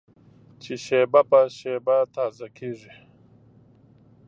چې شېبه په شېبه تازه کېږي.